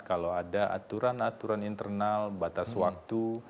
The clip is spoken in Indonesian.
kalau ada aturan aturan internal batas waktu